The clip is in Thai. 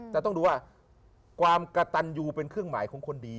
แต่ต้องดูว่าความกระตันยูเป็นเครื่องหมายของคนดี